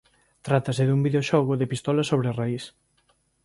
Trátase dun videoxogo de pistola sobre raís.